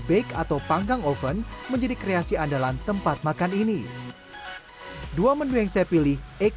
bag atau panggang oven menjadi kreasi andalan tempat makan ini dua menu yang saya pilih